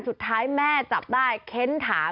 สุดท้ายแม่จับได้เค้นถาม